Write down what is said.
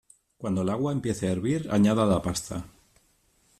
Cuando el agua empiece a hervir añada la pasta.